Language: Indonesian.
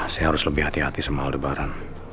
saya harus lebih hati hati sama aldebaran